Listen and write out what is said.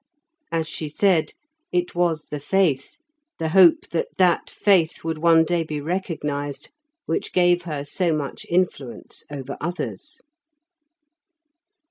As she said, it was the faith, the hope that that faith would one day be recognised, which gave her so much influence over others.